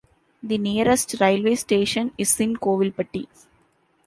The nearest railway station is in Kovilpatti.